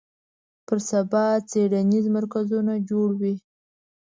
پر سبا څېړنیز مرکزونه جوړ وي